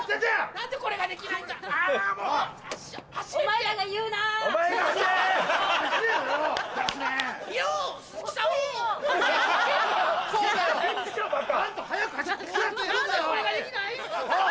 何でこれができない？